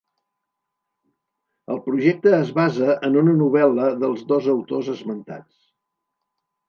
El projecte es basa en una novel·la dels dos autors esmentats.